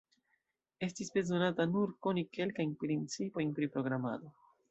Estis bezonata nur koni kelkajn principojn pri programado.